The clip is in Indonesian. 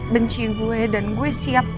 benci gue dan gue siap